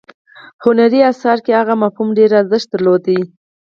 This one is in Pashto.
هنري اثر کې هغه مفهوم ډیر ارزښت درلود.